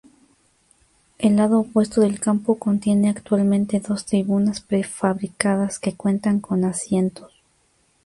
El lado opuesto del campo contiene actualmente dos tribunas prefabricadas, que cuentan con asientos.